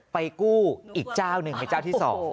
ไปกู้อีกเจ้าหนึ่งเจ้าที่สอง